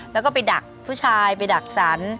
แล้วก็ไปดักผู้ชายไปดักสรร